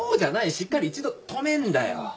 しっかり一度とめんだよ。